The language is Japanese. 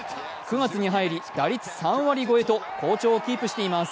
９月に入り、打率３割超えと好調をキープしています。